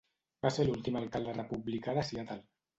Va ser l'últim alcalde republicà de Seattle.